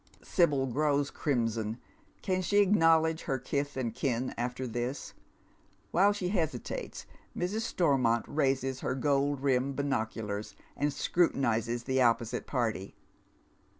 Sibyl grows crimson. Can she acknowledge her kith and kin after this ? While she hesitates, Mrs. Stormont raises her gold rimmed binoculars, and scrutinizes the opposite party.